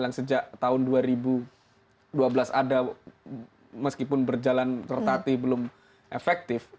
yang sejak tahun dua ribu dua belas ada meskipun berjalan tertati belum efektif